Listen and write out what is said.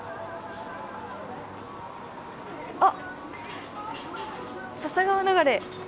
あっ笹川流れ